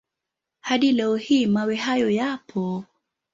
Hadi leo hii mawe hayo yapo.